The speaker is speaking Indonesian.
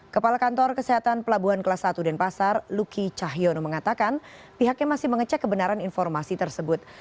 kepala kantor kesehatan pelabuhan kelas satu denpasar luki cahyono mengatakan pihaknya masih mengecek kebenaran informasi tersebut